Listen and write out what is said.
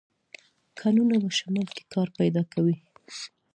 کانونه په شمال کې کار پیدا کوي.